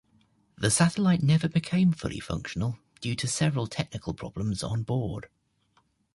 The satellite never became fully functional due to several technical problems on board.